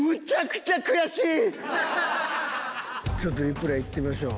ちょっとリプレイいってみましょう。